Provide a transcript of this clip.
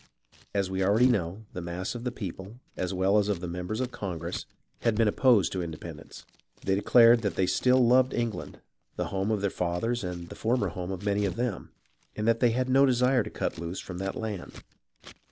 As we already know, the mass of the people, as well as of the members of Congress, had been opposed to independence. They de clared that they still loved England, the home of their fathers and the former home of many of them, and that they had no desire to cut loose from that land.